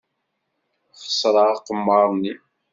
Xeṣreɣ aqemmer-nni.